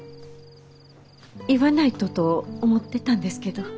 言わないとと思ってたんですけど。